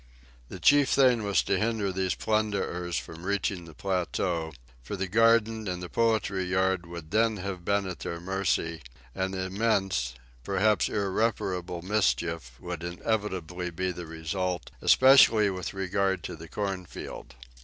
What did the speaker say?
The chief thing was to hinder these plunderers from reaching the plateau, for the garden and the poultry yard would then have been at their mercy, and immense, perhaps irreparable mischief, would inevitably be the result, especially with regard to the corn field.